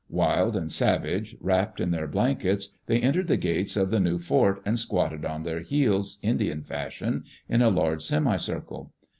Wild and savage, wrapped in their blankets, they entered the gates of the new fort and squatted on their heels, Indian fashion, in a large semicircle.